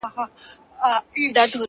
په يوه گل نه پسرلي کېږي.